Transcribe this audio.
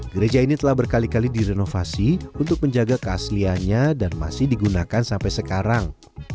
gereja ini telah berkali kali direnovasi untuk menjaga keasliannya dan masih digunakan sampai sekarang